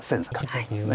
そうですね。